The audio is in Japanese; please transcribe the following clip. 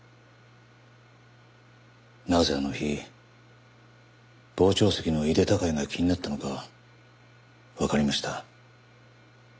なぜあの日傍聴席の井手孝也が気になったのかわかりました。